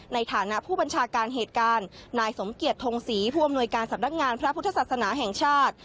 ในฐานะผู้บัญชาการเหตุการณ์นายสมเกียจทงศรีผู้อำนวยการสำนักงานพระพุทธศาสนาแห่งชาติ